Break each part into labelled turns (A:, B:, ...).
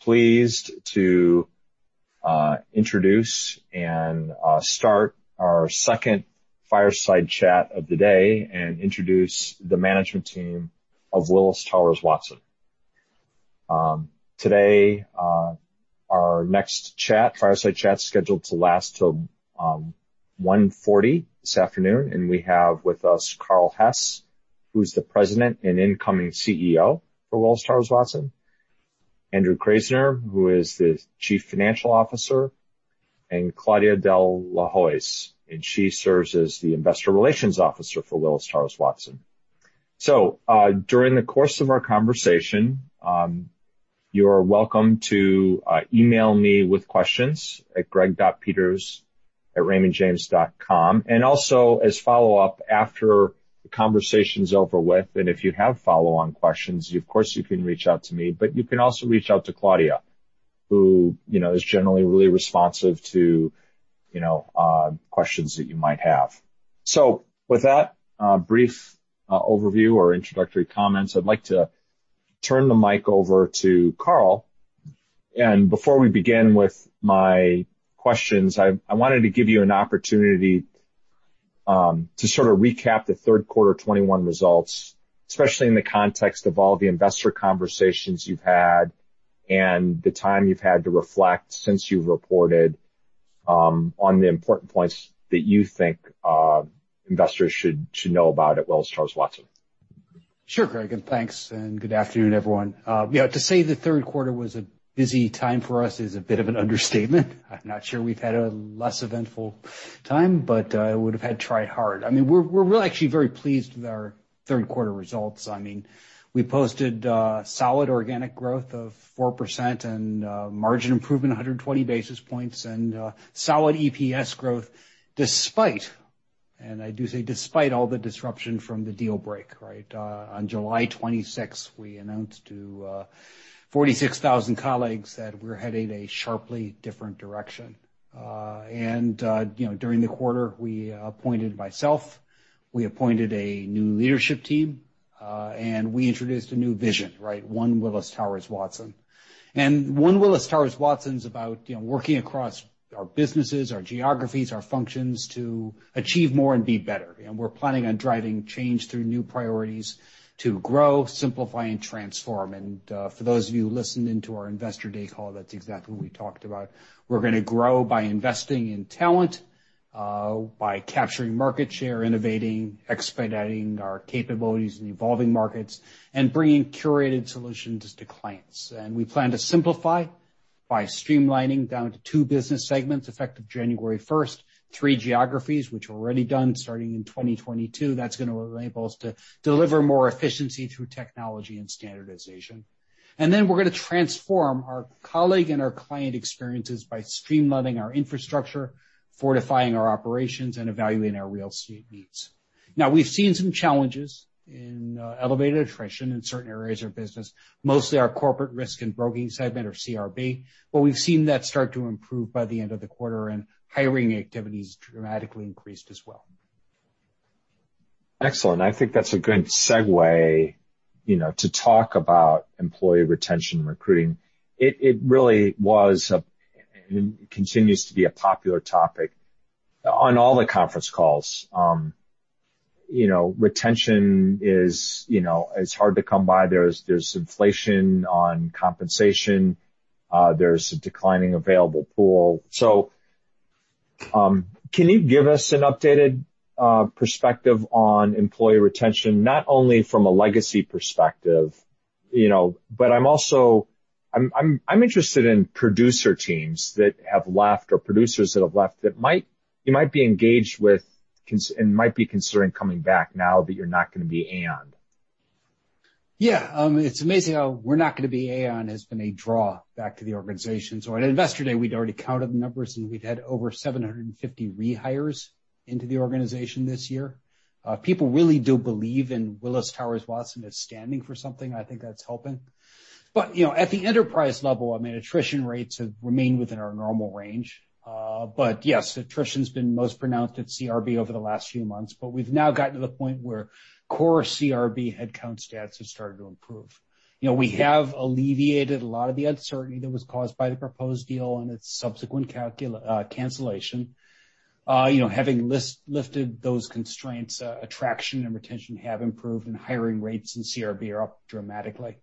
A: I'm pleased to introduce and start our second fireside chat of the day and introduce the management team of Willis Towers Watson. Our next fireside chat is scheduled to last until 1:40 P.M. this afternoon, and we have with us Carl Hess, who is the President and incoming Chief Executive Officer for Willis Towers Watson, Andrew Krasner, who is the Chief Financial Officer, and Claudia De La Hoz, and she serves as the Investor Relations Officer for Willis Towers Watson. During the course of our conversation, you are welcome to email me with questions at greg.peters@raymondjames.com, and also as follow-up after the conversation's over with, and if you have follow-on questions, of course, you can reach out to me, but you can also reach out to Claudia, who is generally really responsive to questions that you might have. With that brief overview or introductory comments, I'd like to turn the mic over to Carl, and before we begin with my questions, I wanted to give you an opportunity to sort of recap the third quarter 2021 results, especially in the context of all the investor conversations you've had and the time you've had to reflect since you've reported on the important points that you think investors should know about at Willis Towers Watson.
B: Sure, Greg, and thanks, and good afternoon, everyone. To say the third quarter was a busy time for us is a bit of an understatement. I'm not sure we've had a less eventful time, but it would've had try hard. We're really actually very pleased with our third quarter results. We posted solid organic growth of 4% and margin improvement 120 basis points and solid EPS growth despite, and I do say despite all the disruption from the deal break. On July 26th, we announced to 46,000 colleagues that we're headed a sharply different direction. During the quarter, we appointed myself, we appointed a new leadership team, and we introduced a new vision, One Willis Towers Watson. One Willis Towers Watson's about working across our businesses, our geographies, our functions to achieve more and be better. We're planning on driving change through new priorities to grow, simplify, and transform. For those of you who listened into our Investor Day call, that's exactly what we talked about. We're going to grow by investing in talent, by capturing market share, innovating, expediting our capabilities in evolving markets, and bringing curated solutions to clients. We plan to simplify by streamlining down to two business segments effective January 1st, three geographies, which we're already done starting in 2022. That's going to enable us to deliver more efficiency through technology and standardization. Then we're going to transform our colleague and our client experiences by streamlining our infrastructure, fortifying our operations, and evaluating our real estate needs. We've seen some challenges in elevated attrition in certain areas of our business, mostly our Corporate Risk and Broking segment, or CRB, but we've seen that start to improve by the end of the quarter, and hiring activity's dramatically increased as well.
A: Excellent. I think that's a good segue to talk about employee retention and recruiting. It really was, and continues to be, a popular topic on all the conference calls. Retention is hard to come by. There's inflation on compensation. There's a declining available pool. Can you give us an updated perspective on employee retention, not only from a legacy perspective, but I'm interested in producer teams that have left, or producers that have left that you might be engaged with and might be considering coming back now that you're not going to be Aon.
B: It's amazing how we're not going to be Aon has been a draw back to the organization. At Investor Day, we'd already counted the numbers, and we'd had over 750 rehires into the organization this year. People really do believe in Willis Towers Watson as standing for something. I think that's helping. At the enterprise level, attrition rates have remained within our normal range. Yes, attrition's been most pronounced at CRB over the last few months, but we've now gotten to the point where core CRB headcount stats have started to improve. We have alleviated a lot of the uncertainty that was caused by the proposed deal and its subsequent cancellation. Having lifted those constraints, attraction and retention have improved, and hiring rates in CRB are up dramatically.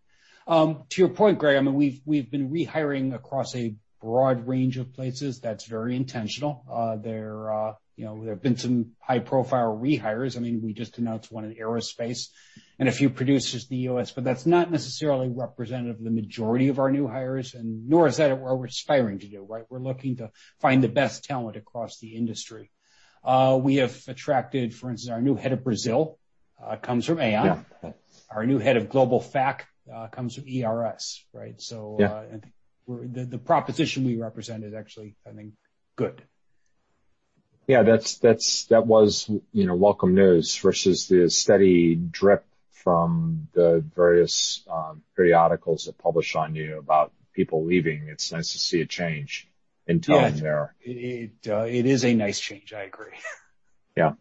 B: To your point, Greg, we've been rehiring across a broad range of places. That's very intentional. There have been some high-profile rehires. We just announced one in aerospace and a few producers in the U.S., but that's not necessarily representative of the majority of our new hires, nor is that where we're aspiring to go, right? We're looking to find the best talent across the industry. We have attracted, for instance, our new head of Brazil comes from Aon.
A: Yeah.
B: Our new head of global FAC comes from ERS, right?
A: Yeah.
B: I think the proposition we represent is actually, I think, good.
A: Yeah. That was welcome news versus the steady drip from the various periodicals that publish on you about people leaving. It's nice to see a change in tone there.
B: It is a nice change. I agree.
A: Yeah.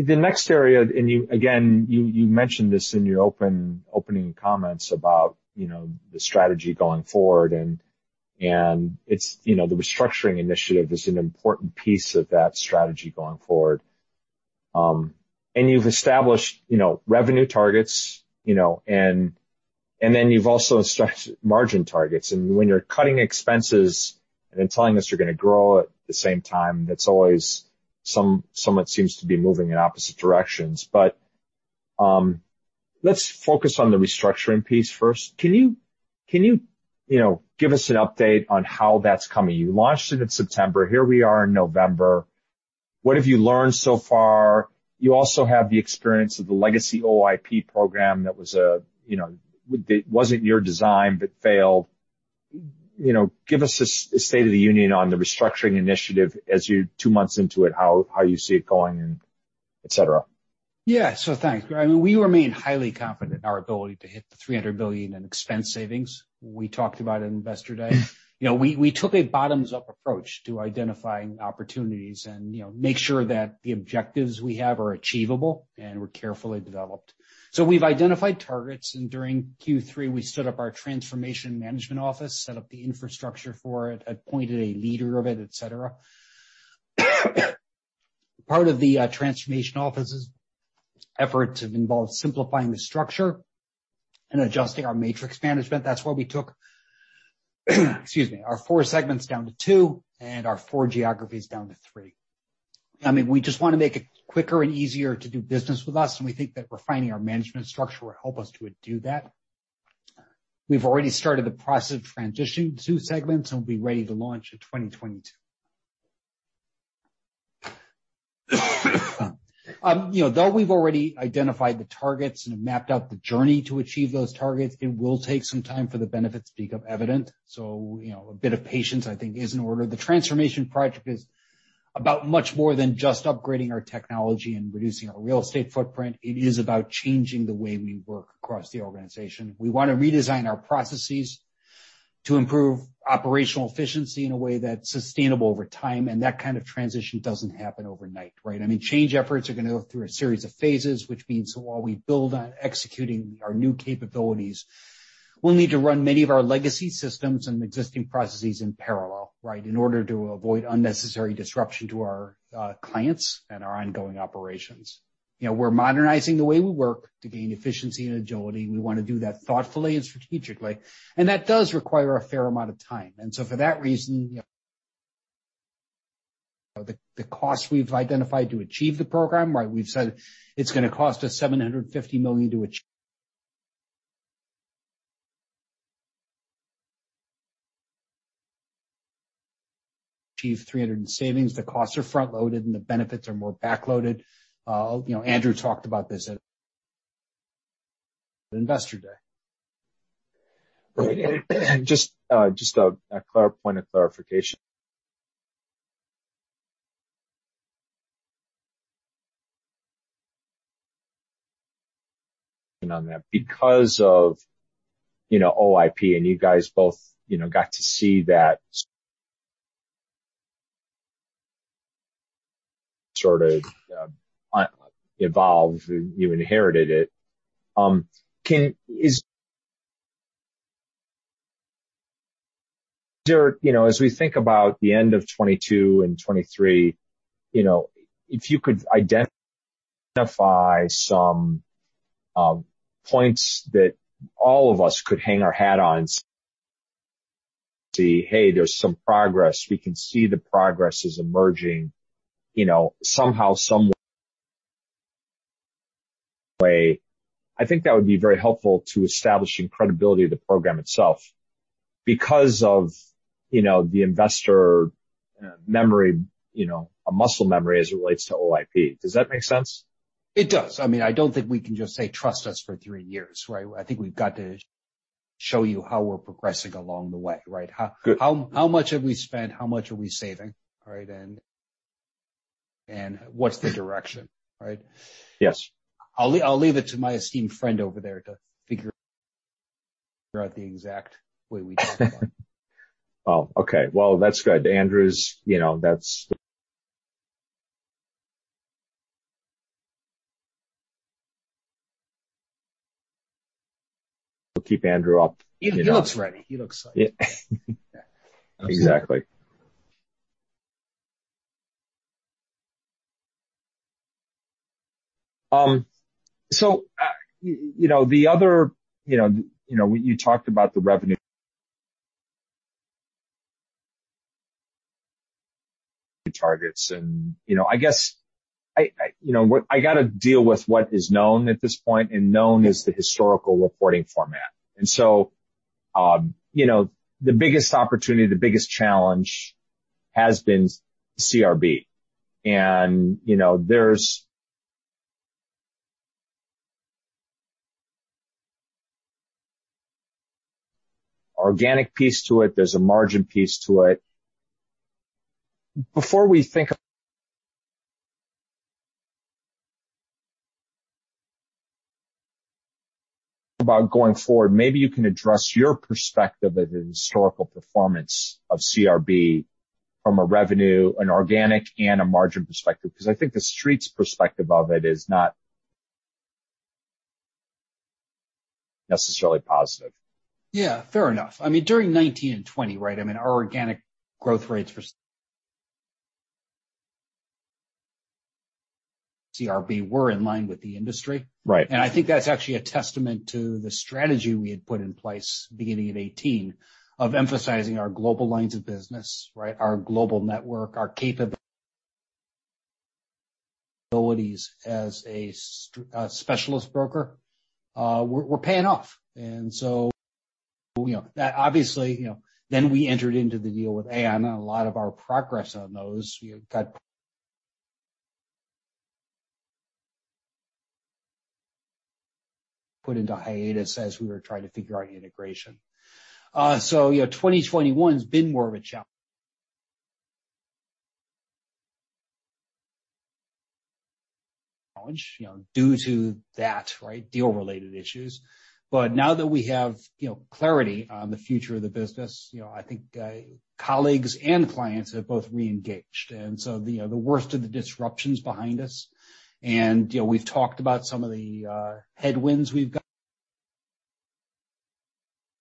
A: The next area, again, you mentioned this in your opening comments about the strategy going forward, and the restructuring initiative is an important piece of that strategy going forward. You've established revenue targets, then you've also stressed margin targets. When you're cutting expenses then telling us you're going to grow at the same time, it somewhat seems to be moving in opposite directions. Let's focus on the restructuring piece first. Can you give us an update on how that's coming? You launched it in September. Here we are in November. What have you learned so far? You also have the experience of the legacy OIP program that wasn't your design, but failed. Give us a state of the union on the restructuring initiative as you're two months into it, how you see it going, and et cetera.
B: Yeah. Thanks. We remain highly confident in our ability to hit the $300 million in expense savings we talked about at Investor Day. We took a bottoms-up approach to identifying opportunities and make sure that the objectives we have are achievable and were carefully developed. We've identified targets, during Q3, we stood up our transformation management office, set up the infrastructure for it, appointed a leader of it, et cetera. Part of the transformation office's efforts have involved simplifying the structure and adjusting our matrix management. That's why we took excuse me, our four segments down to two and our four geographies down to three. We just want to make it quicker and easier to do business with us, we think that refining our management structure will help us to do that. We've already started the process of transitioning two segments and will be ready to launch in 2022. Though we've already identified the targets and have mapped out the journey to achieve those targets, it will take some time for the benefits to become evident. A bit of patience, I think is in order. The transformation project is about much more than just upgrading our technology and reducing our real estate footprint. It is about changing the way we work across the organization. We want to redesign our processes to improve operational efficiency in a way that's sustainable over time, that kind of transition doesn't happen overnight, right? Change efforts are going to go through a series of phases, which means while we build on executing our new capabilities, we'll need to run many of our legacy systems and existing processes in parallel, right? In order to avoid unnecessary disruption to our clients and our ongoing operations. We're modernizing the way we work to gain efficiency and agility, we want to do that thoughtfully and strategically, that does require a fair amount of time. For that reason, the cost we've identified to achieve the program, right? We've said it's going to cost us $750 million to achieve 300 in savings. The costs are front-loaded, the benefits are more back-loaded. Andrew talked about this at Investor Day.
A: Right. Just a point of clarification on that. Because of OIP and you guys both got to see that sort of evolve, you inherited it. As we think about the end of 2022 and 2023, if you could identify some points that all of us could hang our hat on and see, hey, there's some progress. We can see the progress is emerging somehow, some way. I think that would be very helpful to establishing credibility of the program itself because of the investor memory, a muscle memory as it relates to OIP. Does that make sense?
B: It does. I don't think we can just say, "Trust us for three years." Right? I think we've got to show you how we're progressing along the way, right?
A: Good.
B: How much have we spent? How much are we saving? Right? What's the direction, right?
A: Yes.
B: I'll leave it to my esteemed friend over there to figure out the exact way we talk about it.
A: Oh, okay. Well, that's good. We'll keep Andrew up.
B: He looks ready. He looks excited.
A: Exactly. You talked about the revenue targets. I got to deal with what is known at this point, known is the historical reporting format. The biggest opportunity, the biggest challenge has been CRB. There's organic piece to it, there's a margin piece to it. Before we think About going forward, maybe you can address your perspective of the historical performance of CRB from a revenue, an organic, and a margin perspective, because I think the street's perspective of it is not necessarily positive.
B: Yeah, fair enough. During 2019 and 2020, our organic growth rates for CRB were in line with the industry.
A: Right.
B: I think that's actually a testament to the strategy we had put in place beginning of 2018, of emphasizing our global lines of business. Our global network, our capabilities as a specialist broker were paying off. Obviously, then we entered into the deal with Aon and a lot of our progress on those got put into hiatus as we were trying to figure out integration. 2021 has been more of a challenge due to that, deal-related issues. Now that we have clarity on the future of the business, I think colleagues and clients have both reengaged. The worst of the disruption is behind us. We've talked about some of the headwinds we've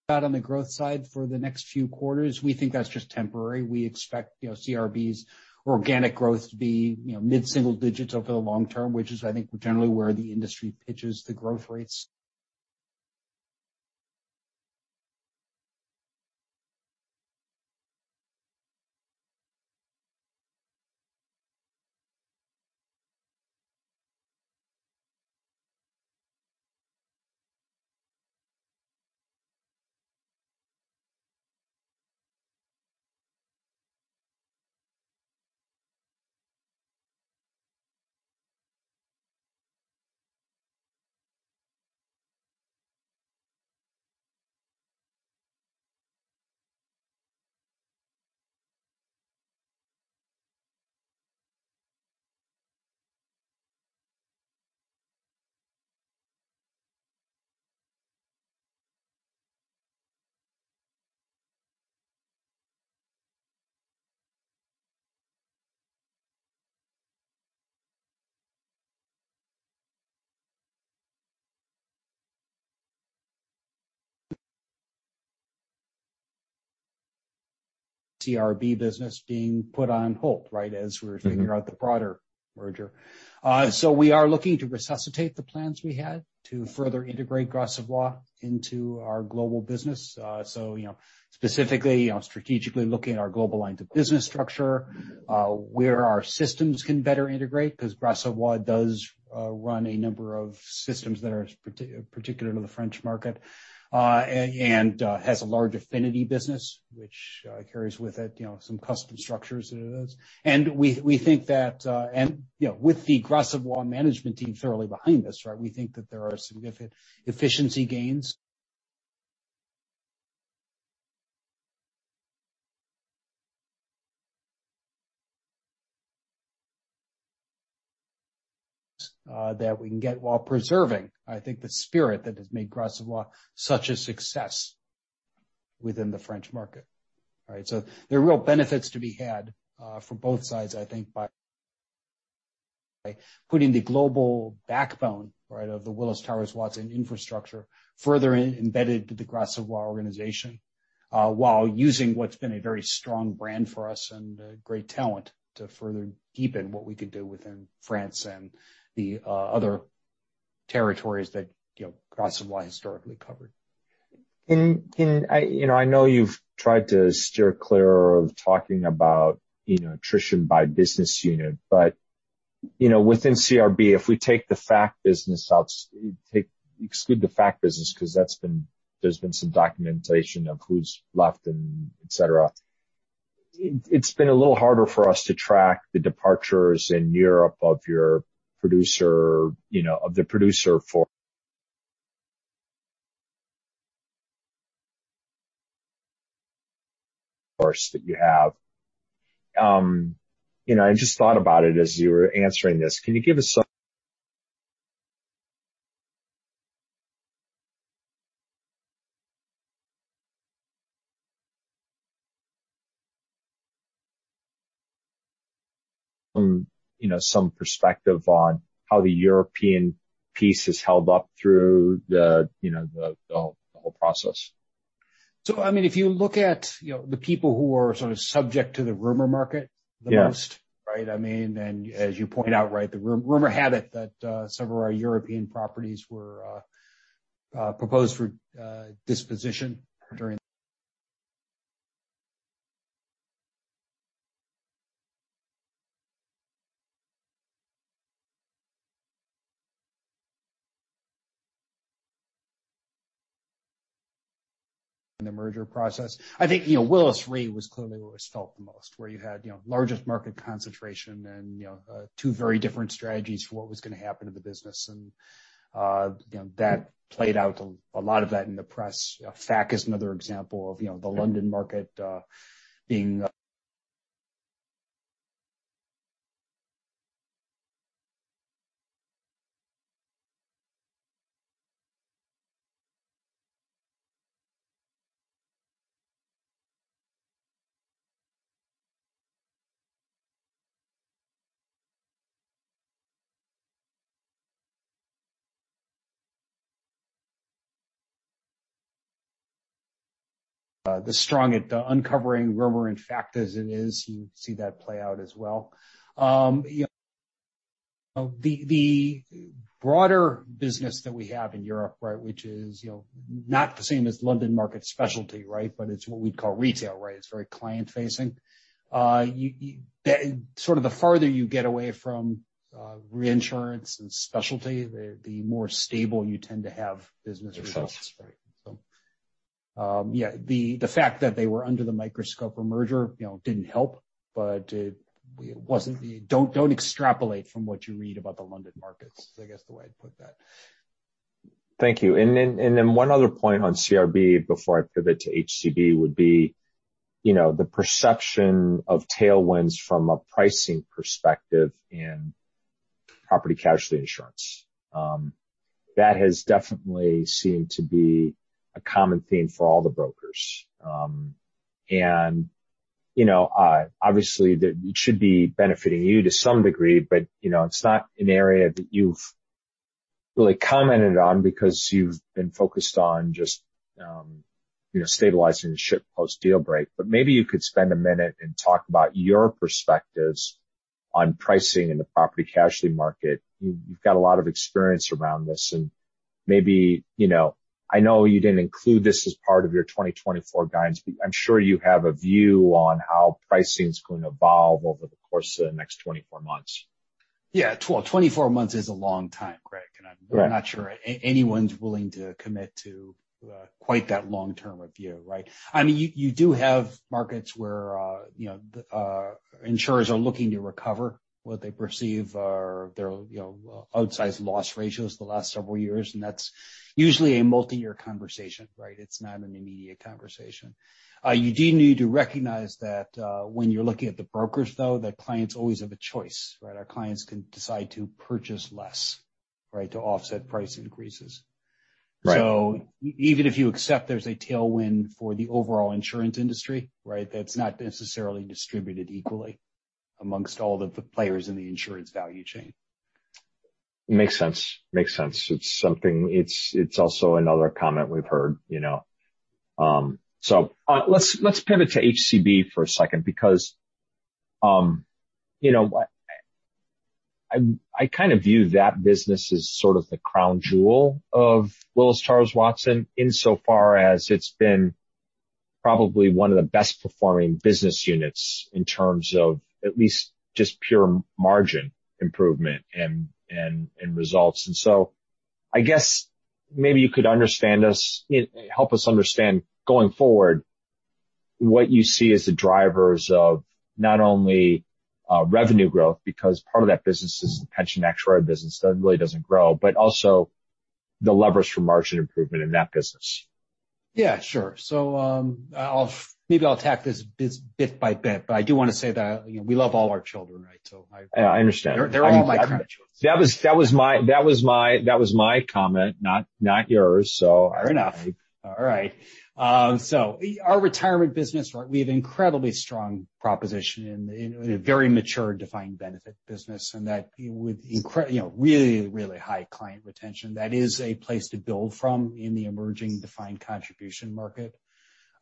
B: got on the growth side for the next few quarters. We think that's just temporary. We expect CRB's organic growth to be mid-single digits over the long term, which is, I think, generally where the industry pitches the growth rates. CRB business being put on hold as we were figuring out the broader merger. We are looking to resuscitate the plans we had to further integrate Gras Savoye into our global business. Specifically, strategically looking at our global line to business structure, where our systems can better integrate, because Gras Savoye does run a number of systems that are particular to the French market and has a large affinity business, which carries with it some custom structures to it. With the Gras Savoye management team thoroughly behind us, we think that there are significant efficiency gains that we can get while preserving, I think, the spirit that has made Gras Savoye such a success within the French market. There are real benefits to be had for both sides, I think, by putting the global backbone of the Willis Towers Watson infrastructure further embedded to the Gras Savoye organization while using what's been a very strong brand for us and great talent to further deepen what we could do within France and the other territories that Gras Savoye historically covered.
A: I know you've tried to steer clear of talking about attrition by business unit. Within CRB, if we take the FAC business out, exclude the FAC business, because there's been some documentation of who's left and et cetera. It's been a little harder for us to track the departures in Europe of the producer force that you have. I just thought about it as you were answering this. Can you give us some perspective on how the European piece has held up through the whole process?
B: If you look at the people who are sort of subject to the rumor market the most.
A: Yes.
B: As you point out, the rumor had it that several of our European properties were proposed for disposition during the merger process. I think Willis Re was clearly where it was felt the most, where you had largest market concentration and two very different strategies for what was going to happen to the business. That played out a lot of that in the press. FAC is another example of the London market being as strong at the uncovering rumor and fact as it is, you see that play out as well. The broader business that we have in Europe, which is not the same as London market specialty, but it's what we'd call retail. It's very client-facing. Sort of the farther you get away from reinsurance and specialty, the more stable you tend to have business results.
A: Makes sense.
B: Right. Yeah, the fact that they were under the microscope for merger didn't help, but don't extrapolate from what you read about the London markets, I guess the way I'd put that.
A: Thank you. Then one other point on CRB before I pivot to HCB would be the perception of tailwinds from a pricing perspective in property casualty insurance. That has definitely seemed to be a common theme for all the brokers. Obviously, that should be benefiting you to some degree, but it's not an area that you've really commented on because you've been focused on just stabilizing the ship post-deal break. Maybe you could spend a minute and talk about your perspectives on pricing in the property casualty market. You've got a lot of experience around this, I know you didn't include this as part of your 2024 guidance, but I'm sure you have a view on how pricing is going to evolve over the course of the next 24 months.
B: Well, 24 months is a long time, Greg, I'm not sure anyone's willing to commit to quite that long-term a view, right? You do have markets where insurers are looking to recover what they perceive are their outsized loss ratios the last several years, that's usually a multi-year conversation, right? It's not an immediate conversation. You do need to recognize that when you're looking at the brokers, though, that clients always have a choice, right? Our clients can decide to purchase less to offset price increases.
A: Right.
B: Even if you accept there's a tailwind for the overall insurance industry, that's not necessarily distributed equally amongst all the players in the insurance value chain.
A: Makes sense. It's also another comment we've heard. Let's pivot to HCB for a second because I kind of view that business as sort of the crown jewel of Willis Towers Watson insofar as it's been probably one of the best performing business units in terms of at least just pure margin improvement and results. I guess maybe you could help us understand going forward what you see as the drivers of not only revenue growth, because part of that business is the pension actuary business that really doesn't grow, but also the levers for margin improvement in that business.
B: Yeah, sure. Maybe I'll attack this bit by bit, but I do want to say that we love all our children, right?
A: I understand.
B: They're all my grandchildren.
A: That was my comment, not yours, fair enough.
B: Our retirement business, we have incredibly strong proposition in a very mature defined benefit business and with really high client retention. That is a place to build from in the emerging defined contribution market.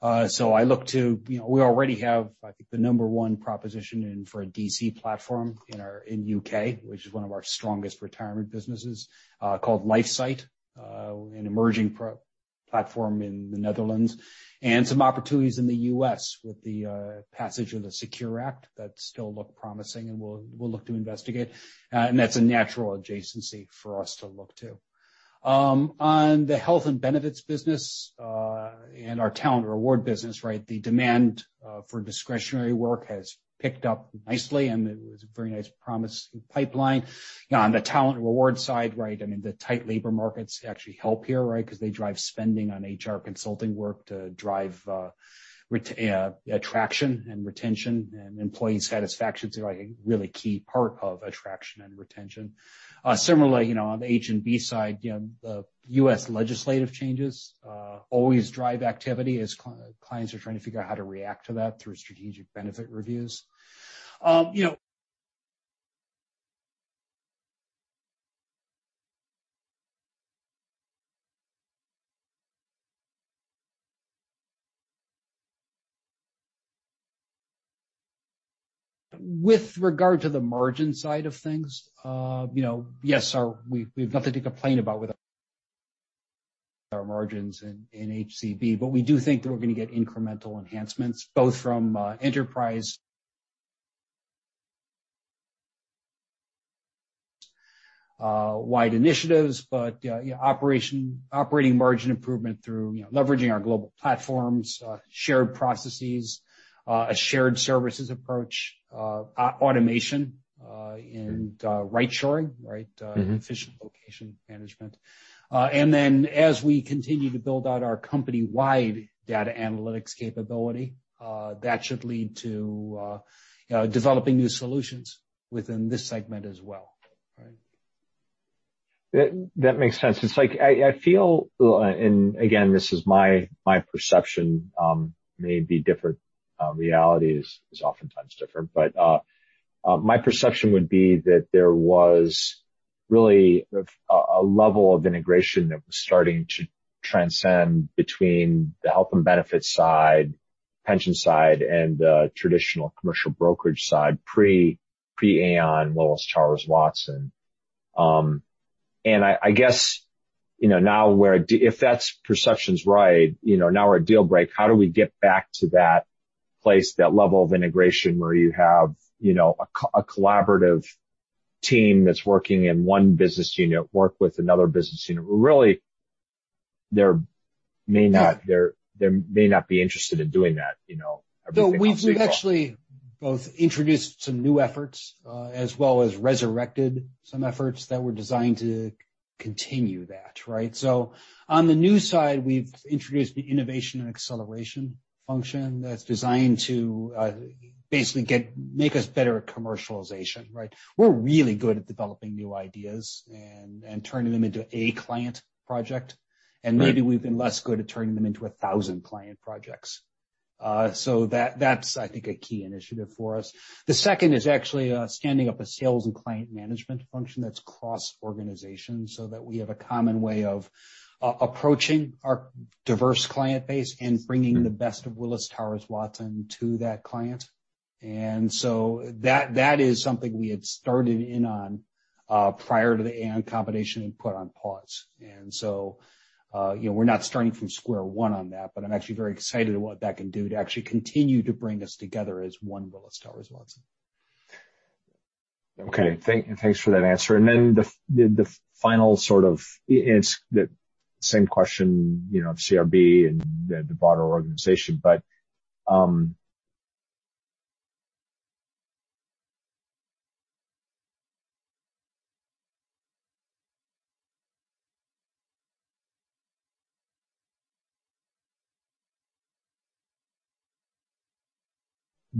B: We already have, I think, the number one proposition for a DC platform in U.K., which is one of our strongest retirement businesses, called LifeSight, an emerging platform in the Netherlands, and some opportunities in the U.S. with the passage of the SECURE Act that still look promising and we'll look to investigate. That's a natural adjacency for us to look to. On the health and benefits business, and our talent reward business, the demand for discretionary work has picked up nicely, and it was a very nice promising pipeline. On the talent reward side, the tight labor markets actually help here because they drive spending on HR consulting work to drive attraction and retention and employee satisfaction. A really key part of attraction and retention. Similarly, on the H&B side, the U.S. legislative changes always drive activity as clients are trying to figure out how to react to that through strategic benefit reviews. With regard to the margin side of things, yes, we've nothing to complain about with our margins in HCB, but we do think that we're going to get incremental enhancements both from enterprise wide initiatives, but operating margin improvement through leveraging our global platforms, shared processes, a shared services approach, automation in right shoring, efficient location management. Then as we continue to build out our company-wide data analytics capability, that should lead to developing new solutions within this segment as well.
A: That makes sense. I feel, and again, this is my perception, may be different. Reality is oftentimes different, but my perception would be that there was really a level of integration that was starting to transcend between the health and benefits side, pension side, and the traditional commercial brokerage side pre-Aon Willis Towers Watson. I guess, if that perception's right, now we're at Dealbreak, how do we get back to that place, that level of integration, where you have a collaborative team that's working in one business unit, work with another business unit, who really they may not be interested in doing that. Everything's legal.
B: We've actually both introduced some new efforts, as well as resurrected some efforts that were designed to continue that, right? On the new side, we've introduced the innovation and acceleration function that's designed to basically make us better at commercialization, right? We're really good at developing new ideas and turning them into a client project.
A: Right.
B: maybe we've been less good at turning them into 1,000 client projects. That's, I think, a key initiative for us. The second is actually standing up a sales and client management function that's cross-organization, so that we have a common way of approaching our diverse client base and bringing- the best of Willis Towers Watson to that client. That is something we had started in on prior to the Aon combination and put on pause. We're not starting from square one on that, but I'm actually very excited at what that can do to actually continue to bring us together as One Willis Towers Watson.
A: Okay. Thanks for that answer. The final sort of, it's the same question, of CRB and the broader organization. But,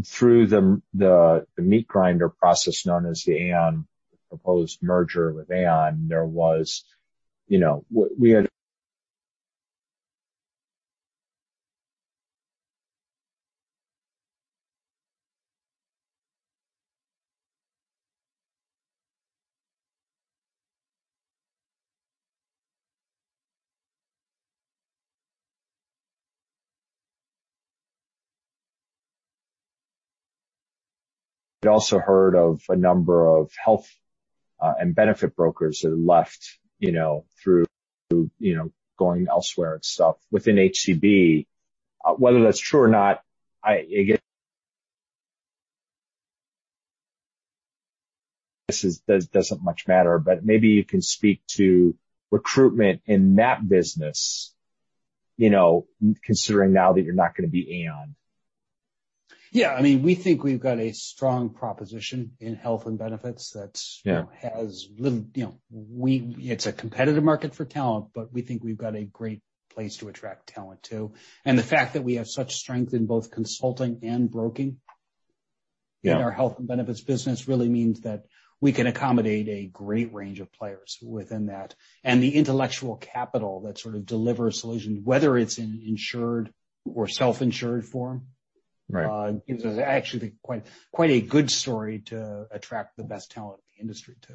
A: through the meat grinder process known as the Aon, proposed merger with Aon, we had also heard of a number of health and benefit brokers that have left, through going elsewhere itself within HCB. Whether that's true or not, I guess, doesn't much matter, but maybe you can speak to recruitment in that business, considering now that you're not going to be Aon.
B: Yeah, we think we've got a strong proposition in health and benefits that-
A: Yeah
B: it's a competitive market for talent, but we think we've got a great place to attract talent to. The fact that we have such strength in both consulting and broking.
A: Yeah
B: In our health and benefits business really means that we can accommodate a great range of players within that. The intellectual capital that sort of delivers solutions, whether it's in insured or self-insured form.
A: Right
B: Is actually quite a good story to attract the best talent in the industry to.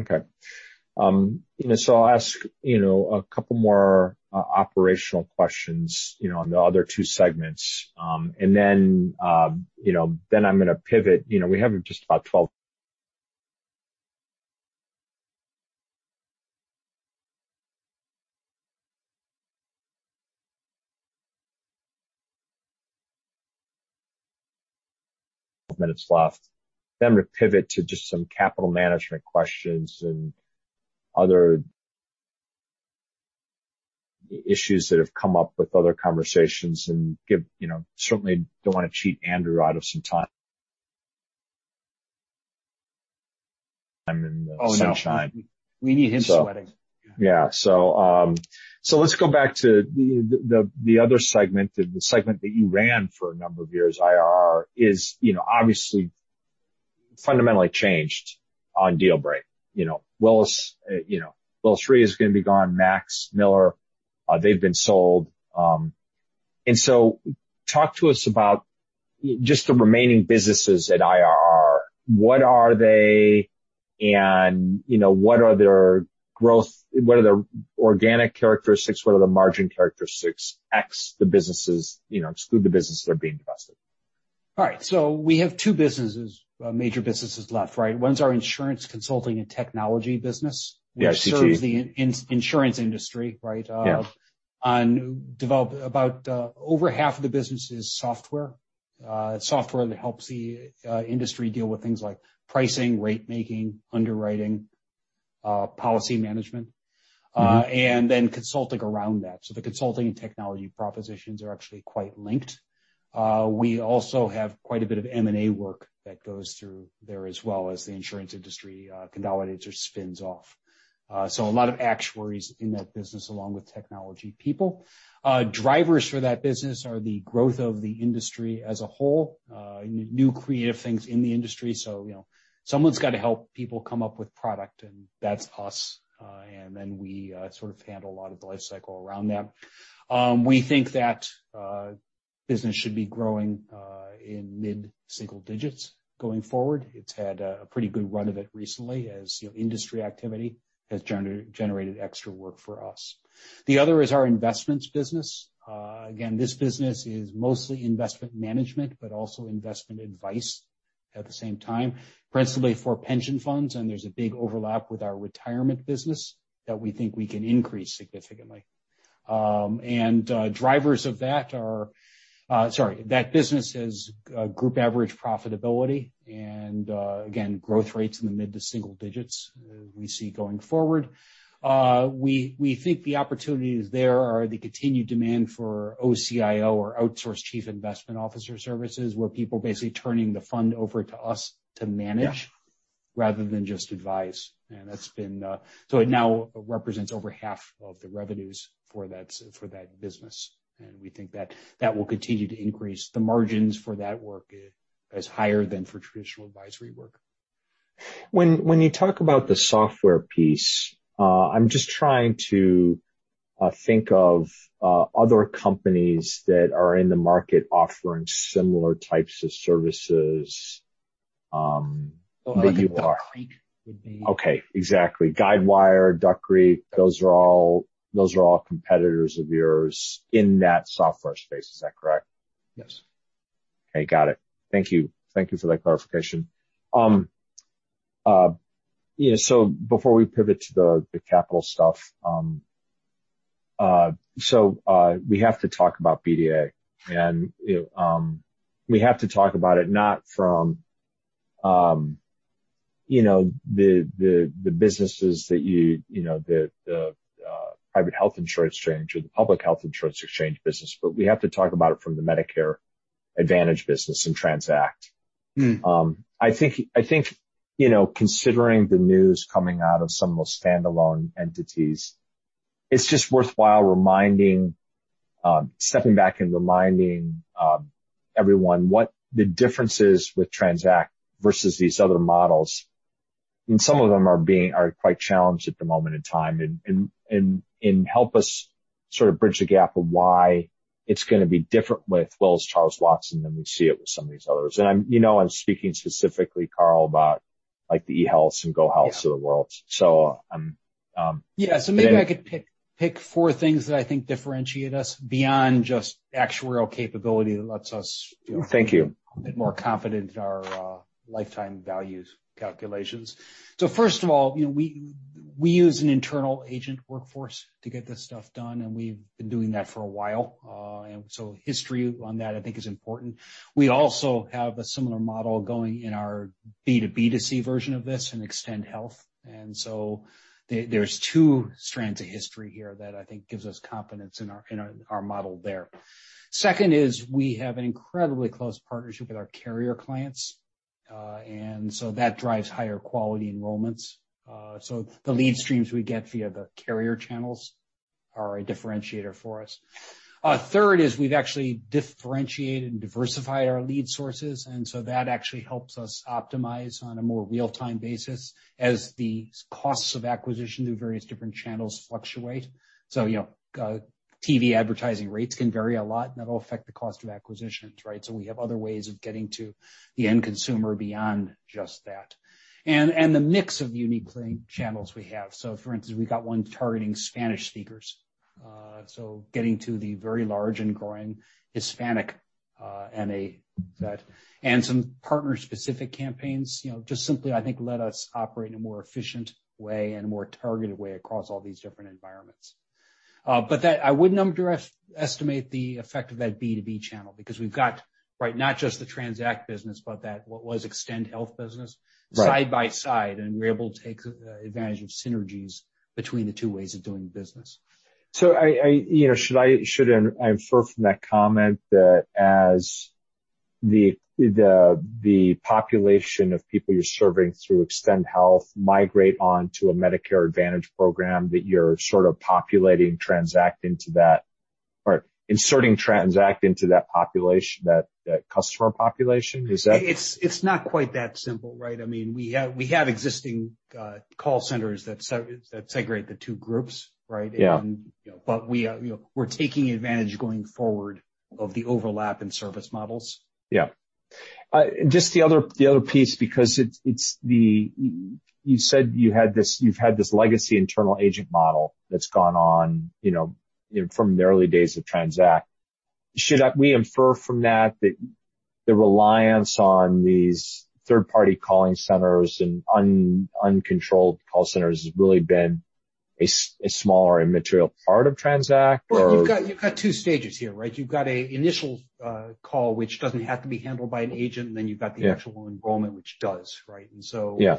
A: Okay. I'll ask a couple more operational questions on the other two segments. Then I'm going to pivot. We have just about 12 minutes left. I'm going to pivot to just some capital management questions and other issues that have come up with other conversations. Certainly don't want to cheat Andrew out of some time in the sunshine.
B: Oh, no. We need him sweating.
A: Yeah. Let's go back to the other segment, the segment that you ran for a number of years, IRR, is obviously fundamentally changed on Dealbreak. Willis Re is going to be gone. [Max], Miller, they've been sold. Talk to us about just the remaining businesses at IRR. What are they? What are their growth? What are their organic characteristics? What are the margin characteristics? Exclude the businesses that are being divested.
B: All right. We have two major businesses left, right? One's our insurance consulting and technology business-
A: The ICT
B: which serves the insurance industry, right?
A: Yeah.
B: Over half of the business is software. It's software that helps the industry deal with things like pricing, rate making, underwriting, policy management, and then consulting around that. The consulting and technology propositions are actually quite linked. We also have quite a bit of M&A work that goes through there as well as the insurance industry consolidates or spins off. A lot of actuaries in that business, along with technology people. Drivers for that business are the growth of the industry as a whole, new creative things in the industry. Someone's got to help people come up with product, and that's us. Then we sort of handle a lot of the life cycle around that. We think that business should be growing in mid-single digits going forward. It's had a pretty good run of it recently, as industry activity has generated extra work for us. The other is our investments business. Again, this business is mostly investment management, but also investment advice at the same time, principally for pension funds. There's a big overlap with our retirement business that we think we can increase significantly. Drivers of that are-- Sorry, that business is group average profitability, and again, growth rates in the mid to single digits we see going forward. We think the opportunities there are the continued demand for OCIO or outsourced chief investment officer services, where people basically turning the fund over to us to manage.
A: Yeah
B: Rather than just advise. It now represents over half of the revenues for that business. We think that will continue to increase. The margins for that work is higher than for traditional advisory work.
A: When you talk about the software piece, I'm just trying to think of other companies that are in the market offering similar types of services that you are.
B: Well, I think Duck Creek would be.
A: Okay, exactly. Guidewire, Duck Creek, those are all competitors of yours in that software space. Is that correct?
B: Yes.
A: Before we pivot to the capital stuff, so we have to talk about BDA. We have to talk about it not from the businesses that the private health insurance exchange or the public health insurance exchange business, but we have to talk about it from the Medicare Advantage business and TRANZACT. I think considering the news coming out of some of those standalone entities, it's just worthwhile stepping back and reminding everyone what the difference is with TRANZACT versus these other models. Some of them are quite challenged at the moment in time. Help us sort of bridge the gap of why it's going to be different with Willis Towers Watson than we see it with some of these others. I'm speaking specifically, Carl, about like the eHealth and GoHealth of the world.
B: Yeah. Maybe I could pick four things that I think differentiate us beyond just actuarial capability that lets us feel
A: Thank you
B: a bit more confident in our lifetime values calculations. First of all, we use an internal agent workforce to get this stuff done, and we've been doing that for a while. History on that, I think, is important. We also have a similar model going in our B2B2C version of this in Extend Health. There's two strands of history here that I think gives us confidence in our model there. Second is we have an incredibly close partnership with our carrier clients. That drives higher quality enrollments. The lead streams we get via the carrier channels are a differentiator for us. Third is we've actually differentiated and diversified our lead sources, and so that actually helps us optimize on a more real-time basis as the costs of acquisition through various different channels fluctuate. TV advertising rates can vary a lot, and that'll affect the cost of acquisitions, right? We have other ways of getting to the end consumer beyond just that. The mix of unique channels we have. For instance, we've got one targeting Spanish speakers. Getting to the very large and growing Hispanic MA set. Some partner specific campaigns just simply I think let us operate in a more efficient way and a more targeted way across all these different environments. I wouldn't underestimate the effect of that B2B channel because we've got not just the TRANZACT business, but that what was Extend Health business-
A: Right
B: side by side, and we're able to take advantage of synergies between the two ways of doing business.
A: Should I infer from that comment that as the population of people you're serving through Extend Health migrate onto a Medicare Advantage program, that you're sort of populating TRANZACT into that or inserting TRANZACT into that customer population? Is that?
B: It's not quite that simple, right? We have existing call centers that segregate the two groups, right?
A: Yeah.
B: we're taking advantage going forward of the overlap in service models.
A: Yeah. Just the other piece, because you said you've had this legacy internal agent model that's gone on from the early days of TRANZACT. Should we infer from that the reliance on these third-party calling centers and uncontrolled call centers has really been a smaller immaterial part of TRANZACT?
B: You've got 2 stages here, right? You've got an initial call, which doesn't have to be handled by an agent, and then you've got the.
A: Yeah
B: enrollment, which does, right?
A: Yeah.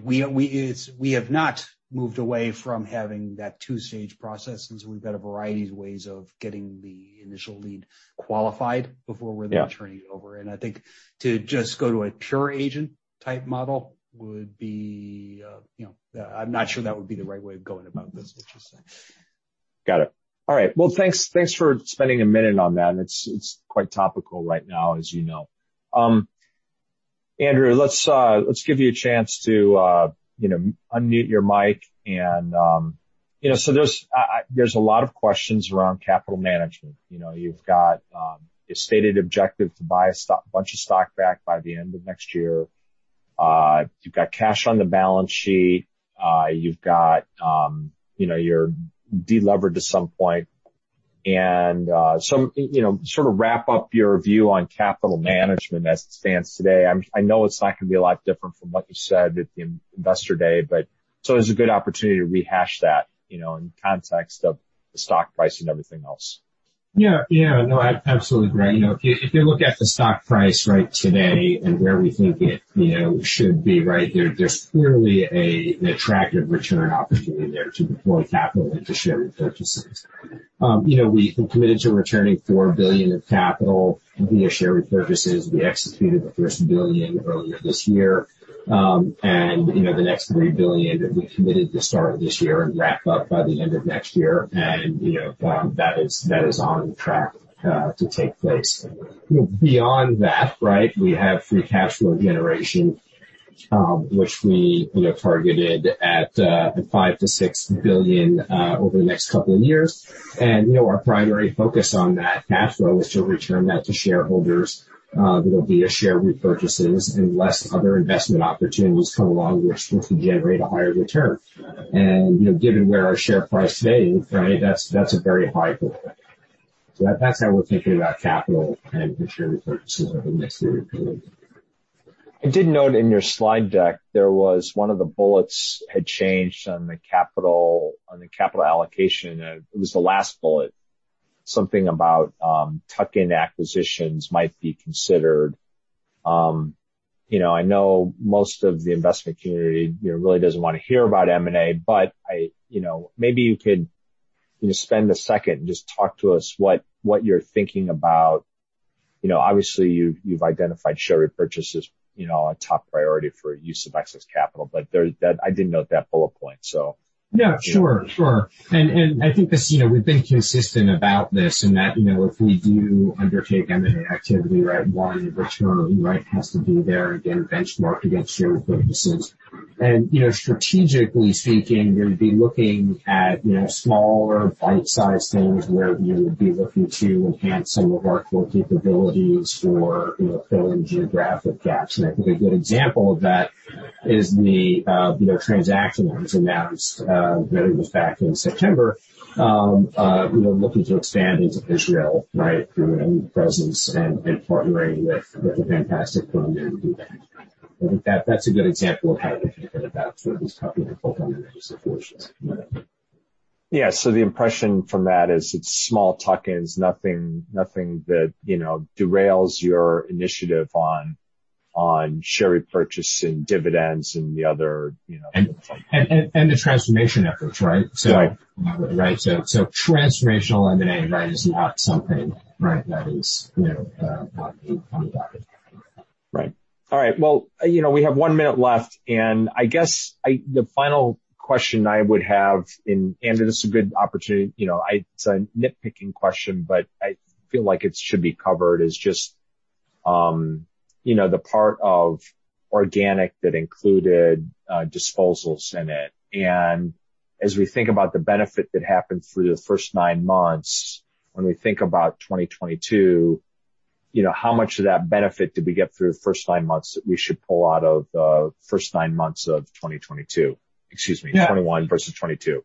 B: We have not moved away from having that 2-stage process. We've got a variety of ways of getting the initial lead qualified before we're.
A: Yeah
B: turning it over. I think to just go to a pure agent type model would be. I'm not sure that would be the right way of going about this, what you're saying.
A: Got it. All right. Well, thanks for spending a minute on that. It's quite topical right now, as you know. Andrew, let's give you a chance to unmute your mic. There's a lot of questions around capital management. You've got a stated objective to buy a bunch of stock back by the end of next year. You've got cash on the balance sheet. You've de-levered to some point. Sort of wrap up your view on capital management as it stands today. I know it's not going to be a lot different from what you said at the investor day, but still it's a good opportunity to rehash that in context of the stock price and everything else.
C: Yeah. No, I absolutely agree. If you look at the stock price right today and where we think it should be, there's clearly an attractive return opportunity there to deploy capital into share repurchases. We committed to returning $4 billion of capital via share repurchases. We executed the 1st billion earlier this year. The next $3 billion that we committed to start this year and wrap up by the end of next year, that is on track to take place. Beyond that, we have free cash flow generation, which we targeted at $5 billion-$6 billion over the next couple of years. Our primary focus on that cash flow is to return that to shareholders that'll be via share repurchases unless other investment opportunities come along, which can generate a higher return. Given where our share price is today, that's a very high bar. That's how we're thinking about capital and share repurchases over the next three years.
A: I did note in your slide deck, there was one of the bullets had changed on the capital allocation, it was the last bullet. Something about tuck-in acquisitions might be considered. I know most of the investment community really doesn't want to hear about M&A, but maybe you could just spend a second and just talk to us what you're thinking about. Obviously, you've identified share repurchases a top priority for use of excess capital, but I did note that bullet point.
C: Yeah, sure. I think we've been consistent about this and that if we do undertake M&A activity, one, return has to be there, again, benchmarked against share repurchases. Strategically speaking, we'll be looking at smaller, bite-sized things where we would be looking to enhance some of our core capabilities or fill in geographic gaps. I think a good example of that is the transaction that was announced, that it was back in September. We were looking to expand into Israel through a new presence and partnering with a fantastic company to do that. I think that's a good example of how we're thinking about sort of these tuck-in or bolt-on acquisitions.
A: Yeah. The impression from that is it's small tuck-ins, nothing that derails your initiative on share repurchase and dividends.
C: The transformation efforts, right?
A: Yeah.
C: Transformational M&A, that is not something that is on the docket.
A: Right. All right. Well, we have one minute left, I guess the final question I would have, and Andrew, this is a good opportunity. It's a nitpicking question, but I feel like it should be covered, is just the part of organic that included disposals in it. As we think about the benefit that happened through the first nine months, when we think about 2022, how much of that benefit did we get through the first nine months that we should pull out of the first nine months of 2022? Excuse me, 2021 versus 2022.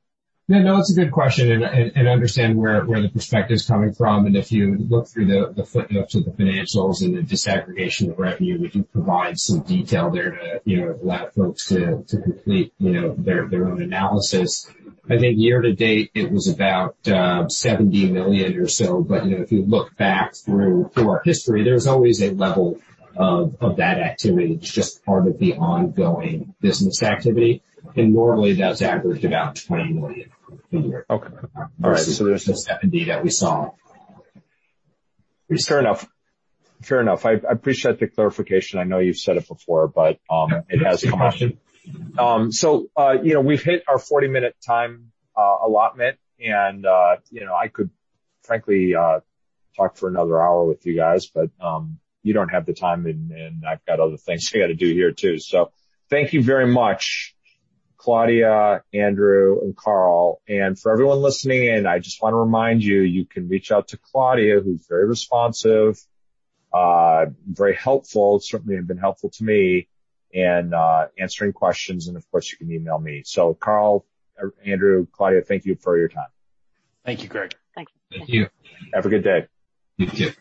C: No, it's a good question, I understand where the perspective's coming from. If you look through the footnotes of the financials and the disaggregation of revenue, we do provide some detail there to allow folks to complete their own analysis. I think year to date, it was about $70 million or so. If you look back through our history, there's always a level of that activity that's just part of the ongoing business activity. Normally, that's averaged about $20 million a year.
A: Okay. All right.
C: There's the 70 that we saw.
A: Fair enough. I appreciate the clarification. I know you've said it before, but it has come up.
C: Yeah. No problem.
A: We've hit our 40-minute time allotment, and I could frankly talk for another hour with you guys, but you don't have the time, and I've got other things I got to do here, too. Thank you very much, Claudia, Andrew, and Carl. For everyone listening in, I just want to remind you can reach out to Claudia, who's very responsive, very helpful, certainly have been helpful to me in answering questions, and of course, you can email me. Carl, Andrew, Claudia, thank you for your time.
B: Thank you, Greg.
D: Thanks.
C: Thank you.
A: Have a good day.
C: You too.